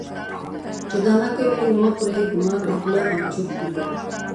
چې دا نه کوي یې نومه پرې ګومان د غله او چور کړي.